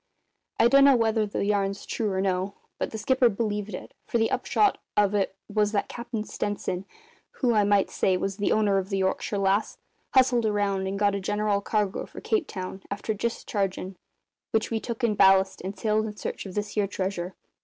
I dunno whether the yarn's true or no, but the skipper believed it, for the upshot of it was that Cap'n Stenson who, I might say, was the owner of the Yorkshire Lass hustled around and got a general cargo for Cape Town, after dischargin' which we took in ballast and sailed in search of this here treasure.